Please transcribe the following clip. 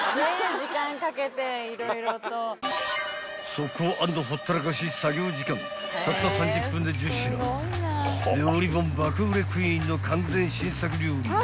［速攻＆ほったらかし作業時間たった３０分で１０品料理本爆売れクイーンの完全新作料理］